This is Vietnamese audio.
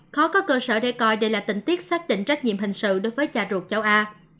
khó có cơ sở để coi đây là tình tiết xác định trách nhiệm hình sự đối với trà ruột châu a